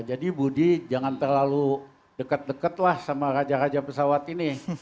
jadi budi jangan terlalu deket deket lah sama raja raja pesawat ini